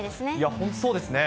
本当そうですね。